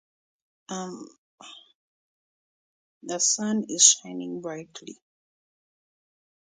Now and Laters are currently produced by Ferrara Candy Company.